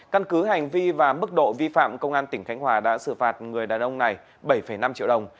căn cứ hành vi và mức độ vi phạm công an tỉnh khánh hòa đã xử phạt người đàn ông này bảy năm triệu đồng